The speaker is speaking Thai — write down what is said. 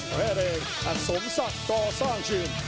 แล้วสมัครต่อสางเชียน